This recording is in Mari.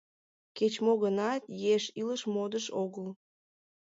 Кеч-мо гынат, еш илыш модыш огыл.